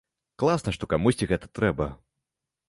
Класна, што камусьці гэта трэба.